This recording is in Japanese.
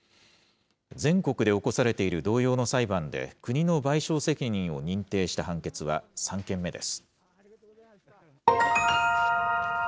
全国で起こされている同様の裁判で国の賠償責任を認定した判決は３件目です。